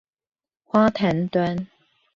花壇端